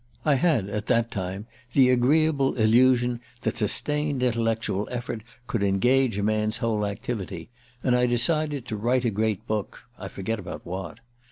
I had, at that time, the agreeable illusion that sustained intellectual effort could engage a man's whole activity; and I decided to write a great book I forget about what.